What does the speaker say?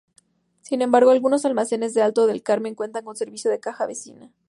Sin embargo, algunos almacenes de Alto del Carmen cuentan con servicio de Caja Vecina.